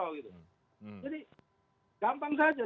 jadi gampang saja